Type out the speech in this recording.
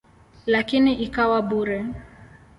Lakini ikawa bure.